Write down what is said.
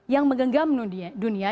yang menggenggam dunia